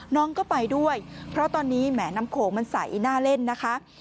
น้องก็ไปด้วยเพราะตอนนี้แหมน้ำโขงมันใสน่าเล่นนะคะ